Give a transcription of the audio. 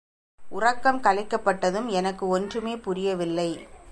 உறக்கம் கலைக்கப்பட்டதும் எனக்கு ஒன்றுமே புரியவில்லை.